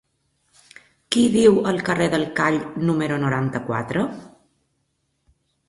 Qui viu al carrer del Call número noranta-quatre?